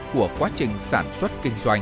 của quá trình sản xuất kinh doanh